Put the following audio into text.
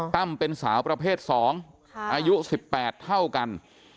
เป็นสาวประเภท๒อายุ๑๘เท่ากัน